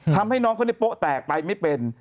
ทำให้น้องเขาในโป๊ะแตกไปไม่เป็น